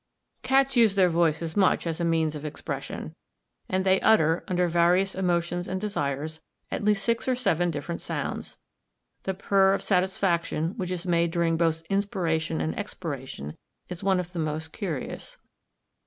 Cats use their voices much as a means of expression, and they utter, under various emotions and desires, at least six or seven different sounds. The purr of satisfaction, which is made during both inspiration and expiration, is one of the most curious.